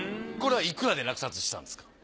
これはいくらで落札したんですか。